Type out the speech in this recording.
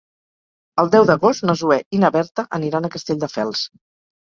El deu d'agost na Zoè i na Berta aniran a Castelldefels.